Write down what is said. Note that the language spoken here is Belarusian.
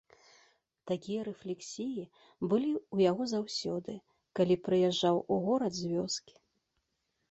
Такія рэфлексіі былі ў яго заўсёды, калі прыязджаў у горад з вёскі.